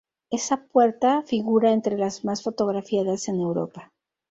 Esa puerta figura entre las más fotografiadas en Europa.